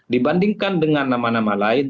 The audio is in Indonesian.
dibandingkan dengan nama nama lain